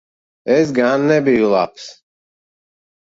Es gan nebiju labs.